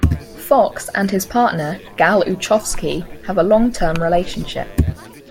Fox and his partner, Gal Uchovsky, have a long-term relationship.